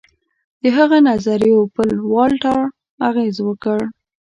د هغه نظریو پر والټر اغېز وکړ.